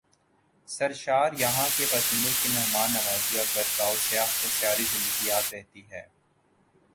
سرشاریہاں کے باشندوں کی مہمان نوازی اور برتائو سیاح کو ساری زندگی یاد رہتی ہیں ۔